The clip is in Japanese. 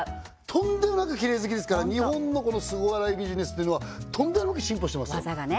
とんでもなくキレイ好きですから日本のスゴ洗いビジネスっていうのはとんでもなく進歩してますよ技がね